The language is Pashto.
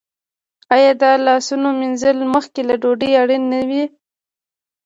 آیا د لاسونو مینځل مخکې له ډوډۍ اړین نه دي؟